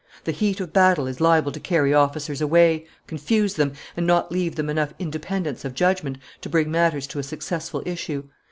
The heat of battle is liable to carry officers away, confuse them, and not leave them enough independence of judgment to bring matters to a successful issue.